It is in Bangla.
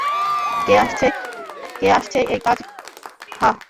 কে করছে এই কাজ, হাহ?